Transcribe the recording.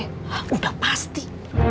hah udah pasti